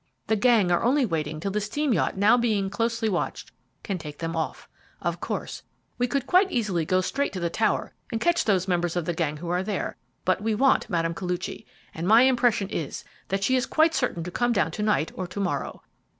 The gang are only waiting till the steam yacht now being closely watched can take them off. Of course, we could quite easily go straight to the tower and catch those members of the gang who are there, but we want Mme. Koluchy, and my impression is, that she is quite certain to come down to night or to morrow.